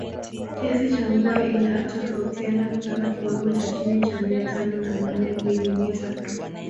Kiasi cha mvua inatofautiana kutoka kiwango cha chini cha mia tano na nane milimita